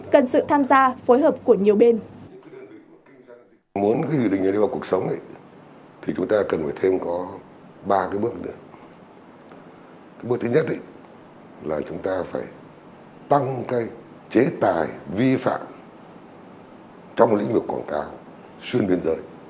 cần sự tham gia phối hợp của nhiều bên